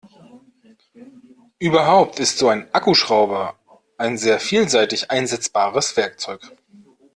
Überhaupt ist so ein Akkuschrauber ein sehr vielseitig einsetzbares Werkzeug.